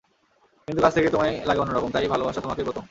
কিন্তু কাছ থেকে তোমায় লাগে অন্য রকম, তাই ভালোবাসা তোমাকেই প্রথম।